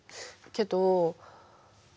けど？